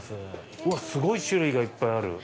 うわっ、すごい種類がいっぱいある。